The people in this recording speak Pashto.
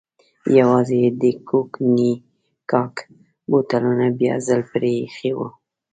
یوازې یې د کونیګاک بوتلونه بیا ځل پرې ایښي و.